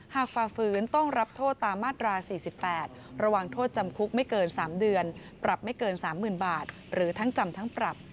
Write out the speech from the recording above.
ฝ่าฟื้นต้องรับโทษตามมาตรา๔๘ระวังโทษจำคุกไม่เกิน๓เดือนปรับไม่เกิน๓๐๐๐บาทหรือทั้งจำทั้งปรับ